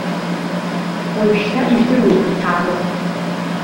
Уажәшьҭа ижәдыруеит иҭаарых.